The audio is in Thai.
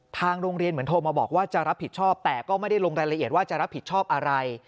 ทางโรงเรียนเหมือนโทรมาบอกว่าจะรับผิดชอบแต่ก็ไม่ได้ลงรายละเอียดว่าจะรับผิดชอบอะไร